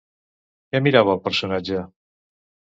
Què mirava el personatge?